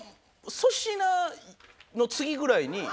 粗品の次ぐらいに。